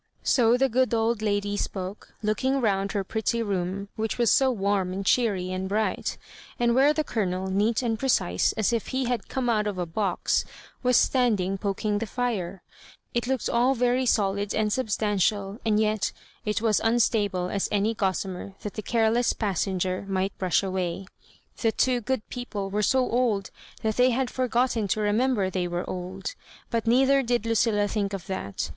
So the good old lady spoke, looking round her pretty room, which was so warm and cheery and bright^ and where the Colonel, neat and precise as if he had oome out of a box, was standing poking the fira It looked all very solid and substantial, and yet it was as imstable as any gossamer that the careless passenger might brush away. The two good people were so old that they had for gotten to remember they were old. But neither did Lucilla think of that.